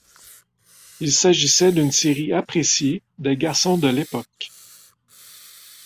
Il s'agissait d'une série appréciée des garçons de l'époque.